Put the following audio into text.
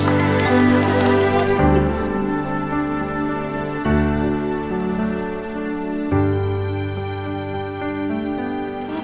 biasanya ini soalnya susah sekali